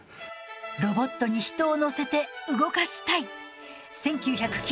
ロボットに人を乗せて動かしたい。